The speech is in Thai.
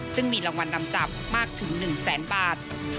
ซึ่งมีรางวัลนำจับมากถึง๑แสนบาท